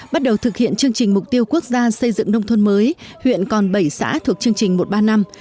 bắt đầu thực hiện chương trình mục tiêu quốc gia xây dựng nông thôn mới huyện còn bảy xã thuộc chương trình một ba năm